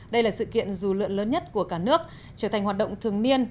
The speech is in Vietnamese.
đây là sự kiện dù lượn lớn nhất của cả nước trở thành hoạt động thường niên